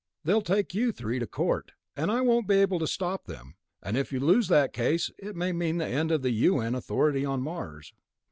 They'll take you three to court, and I won't be able to stop them. And if you lose that case, it may mean the end of U.N. authority on Mars."